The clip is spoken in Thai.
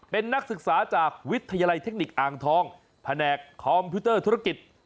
เป็นนักศึกษาจากวิทยาลัยเทคนิคอ่างทองแผนกคอมพิวเตอร์ธุรกิจ